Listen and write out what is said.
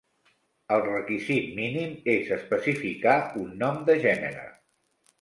El requisit mínim és especificar un nom de gènere.